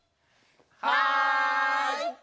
はい！